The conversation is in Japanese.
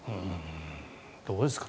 どうですか？